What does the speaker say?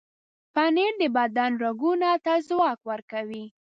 پنېر د بدن رګونو ته ځواک ورکوي.